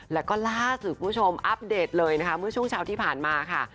แล้วก็ล่าสุดคุณผู้ชมอัปเดตเลยนะคะเมื่อช่วงเช้าที่ผ่านมาค่ะ